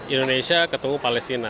indonesia ketemu palestina